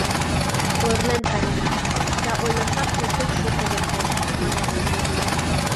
Ойырлен каена, да ойлышаш моткоч шуко лектеш, — манеш Унавий.